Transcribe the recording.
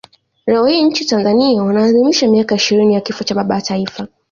Leo hii nchini Tanzania wanaadhimisha miaka ishirini ya kifo cha baba wa taifa